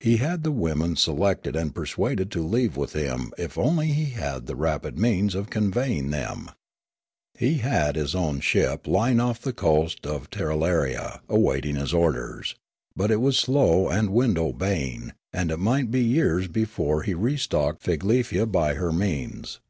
He had the women selected and persuaded to leave with him if only he had the rapid means of conveying them. He had his own ship 1 66 Riallaro lying oflF the coast of Tirralaria awaiting his orders ; but it was slow and wind obeying, and it might be years before he restocked Figlefia by her means.